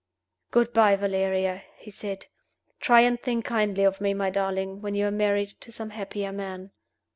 "Good by, Valeria!" he said. "Try and think kindly of me, my darling, when you are married to some happier man."